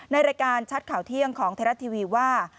รายการชัดข่าวเที่ยงของไทยรัฐทีวีว่า